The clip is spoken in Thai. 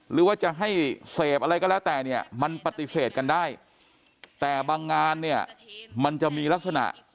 หรือว่าจะให้เสพอะไรก็แล้วแต่เนี่ยมันปฏิเสธกันได้แต่บางงานเนี่ยมันจะมีลักษณะ